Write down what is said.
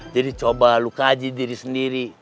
jadi coba lu kaji diri sendiri